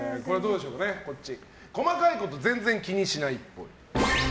細かいことを全然気にしないっぽい。